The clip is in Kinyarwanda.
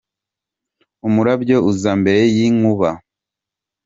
Umurabyo uza mbere y'inkuba.